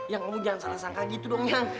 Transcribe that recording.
yang kamu jangan salah sangka gitu dong yang